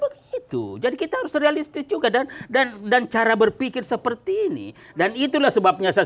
begitu jadi kita harus realistis juga dan dan cara berpikir seperti ini dan itulah sebabnya saya